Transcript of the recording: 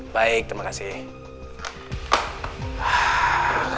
baik terima kasih